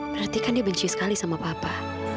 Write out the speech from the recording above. berarti kan dia benci sekali sama papa